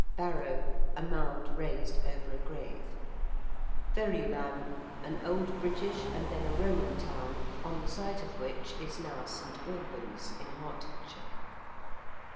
~barrow~: a mound raised over a grave. ~Verulam~: an old British, and then a Roman town, on the site of which is now St. Albans, in Hertfordshire.